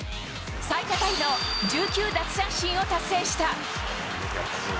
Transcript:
最多タイの１９奪三振を達成した。